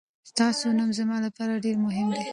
ستاسو نوم زما لپاره ډېر مهم دی.